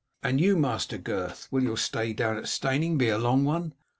"And you, Master Gurth, will your stay down at Steyning be a long one?"